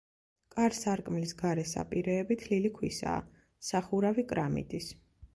კარ-სარკმლის გარე საპირეები თლილი ქვისაა, სახურავი კრამიტის.